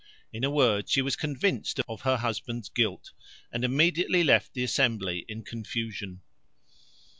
In a word, she was convinced of her husband's guilt, and immediately left the assembly in confusion.